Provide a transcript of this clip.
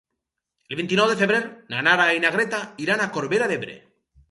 El vint-i-nou de febrer na Nara i na Greta iran a Corbera d'Ebre.